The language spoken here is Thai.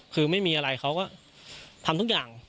คือไม่มีอะไรเขาก็ทำทุกอย่าง